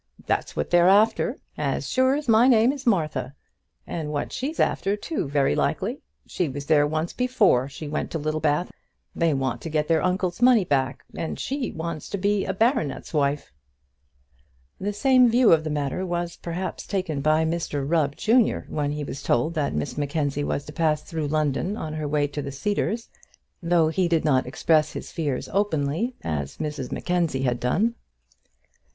That's what they're after, as sure as my name is Martha; and what she's after too, very likely. She was there once before she went to Littlebath at all. They want to get their uncle's money back, and she wants to be a baronet's wife." The same view of the matter was perhaps taken by Mr Rubb, junior, when he was told that Miss Mackenzie was to pass through London on her way to the Cedars, though he did not express his fears openly, as Mrs Mackenzie had done.